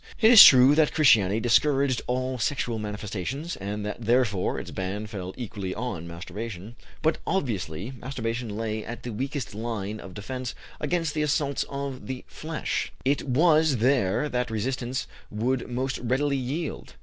It is true that Christianity discouraged all sexual manifestations, and that therefore its ban fell equally on masturbation, but, obviously, masturbation lay at the weakest line of defence against the assaults of the flesh; it was there that resistance would most readily yield.